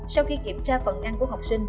sau khi kiểm tra phần ăn của học sinh